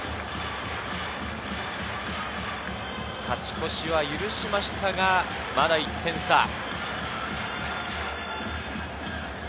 勝ち越しは許しましたが、まだ１点差。